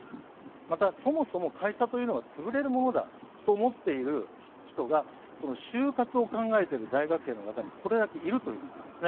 また、そもそも会社というのは潰れるものだと思っている人が就活を考えている大学生の中にこれだけいるということです。